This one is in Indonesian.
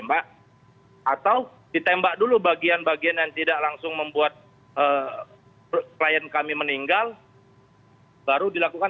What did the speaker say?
atau ditembak dulu bagian bagian yang tidak langsung membuat klien kami meninggal baru dilakukan